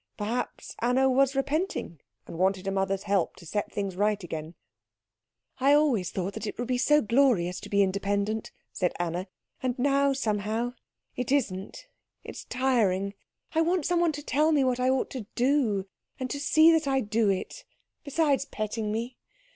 Perhaps Anna was repenting, and wanted a mother's help to set things right again. "I always thought it would be so glorious to be independent," said Anna, "and now somehow it isn't. It is tiring. I want someone to tell me what I ought to do, and to see that I do it. Besides petting me.